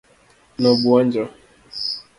nobwonjo